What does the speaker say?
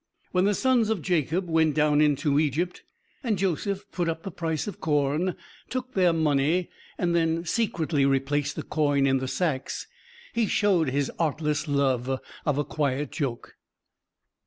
When the sons of Jacob went down into Egypt and Joseph put up the price of corn, took their money, and then secretly replaced the coin in the sacks, he showed his artless love of a quiet joke.